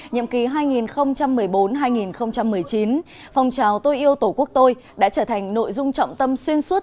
nhiệm ký hai nghìn một mươi bốn hai nghìn một mươi chín phòng trào tôi yêu tổ quốc tôi đã trở thành nội dung trọng tâm xuyên suốt